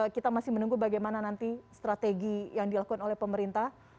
kita masih menunggu bagaimana nanti strategi yang dilakukan oleh pemerintah